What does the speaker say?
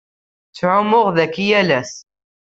Ttɛummuɣ dagi yal ass.